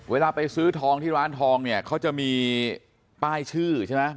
เวลาไปซื้อทองที่ร้านทองเนี่ยเขาจะมีป้ายชื่อใช่ไหม